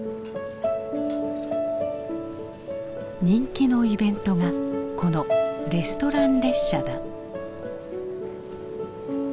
人気のイベントがこのレストラン列車だ。